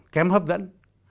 kém hấp dẫn